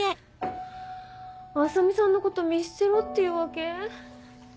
浅海さんのこと見捨てろっていうわけ？